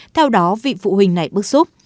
theo đó vị phụ huynh này bức xúc